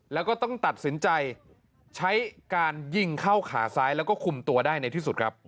แล้วก็ต้องตัดสินใจใช้การยิงเข้าขาซ้ายแล้วก็คุมตัวได้ในที่สุดครับ